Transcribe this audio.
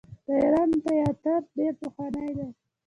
د ایران تیاتر ډیر پخوانی دی.